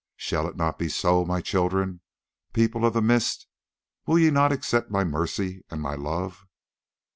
Shall it not be so, my children, People of the Mist? Will ye not accept my mercy and my love?"